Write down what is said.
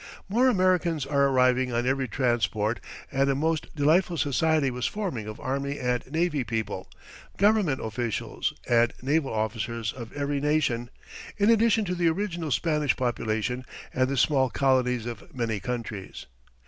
"More Americans were arriving on every transport, and a most delightful society was forming of army and navy people, government officials, and naval officers of every nation, in addition to the original Spanish population and the small colonies of many countries.